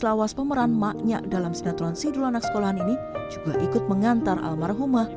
lawas pemeran maknya dalam sinetron sidul anak sekolahan ini juga ikut mengantar almarhumah